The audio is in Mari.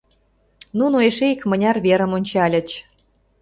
Нуно эше икмыняр верым ончальыч.